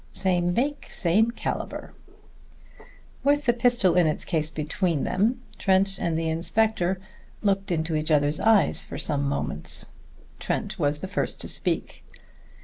"Same make, same caliber." With the pistol in its case between them, Trent and the inspector looked into each other's eyes for some moments. Trent was the first to speak.